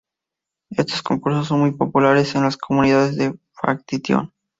Estos concursos son muy populares en las comunidades de fanfiction.